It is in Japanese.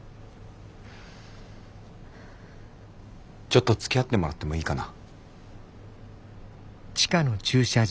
ちょっとつきあってもらってもいいかな。